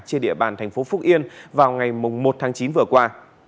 trên địa bàn tp phúc yên vào ngày một tháng chín vừa qua